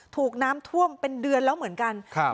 ถูกน้ำท่วมเป็นเดือนแล้วเหมือนกันครับ